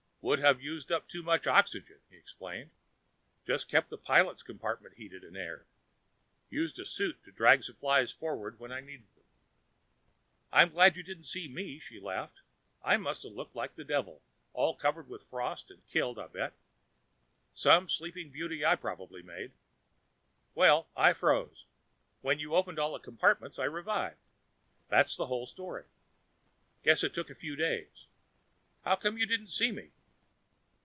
"Would have used up too much oxygen," he explained. "Just kept the pilot's compartment heated and aired. Used a suit to drag supplies forward when I needed them." "I'm glad you didn't see me," she laughed. "I must have looked like the devil, all covered with frost and killed, I bet. Some sleeping beauty I probably made! Well, I froze. When you opened all the compartments, I revived. That's the whole story. Guess it took a few days. How come you didn't see me?"